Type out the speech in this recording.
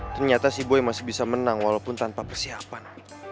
ternyata si boya masih bisa menang walaupun tanpa persiapan